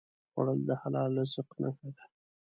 خوړل د حلال رزق نښه ده